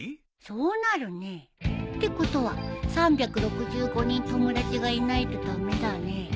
そうなるね。ってことは３６５人友達がいないと駄目だね。